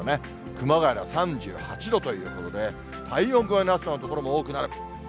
熊谷では３８度ということで、体温超えの暑さの所も多くなる。